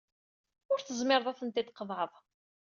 Ur tezmireḍ ad ten-id-tqeḍɛeḍ.